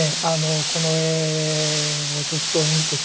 この絵をずっと見てきてですね